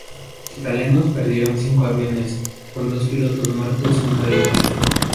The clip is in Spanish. Los italianos perdieron cinco aviones, con dos pilotos muertos y uno herido.